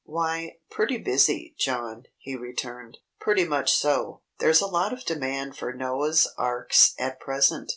"Why, pretty busy, John," he returned. "Pretty much so. There's a lot of demand for Noah's Arks at present.